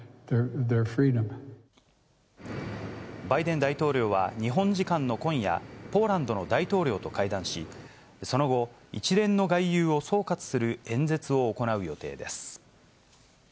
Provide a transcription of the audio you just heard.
バイデン大統領は日本時間の今夜、ポーランドの大統領と会談し、その後、一連の外遊を総括する演説を行う予定です。